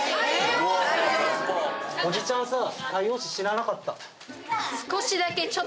おじちゃんさぁ。